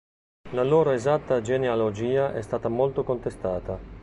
La loro esatta genealogia è stata molto contestata.